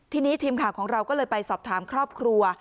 ทีนี้ทีมข่าวของเราก็เลยไปสอบถามครอบครัว